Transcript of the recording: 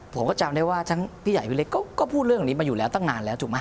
ผมก็จำได้ว่าทั้งพี่ใหญ่พี่เล็กก็พูดเรื่องนี้มาอยู่แล้วตั้งนานแล้วถูกไหม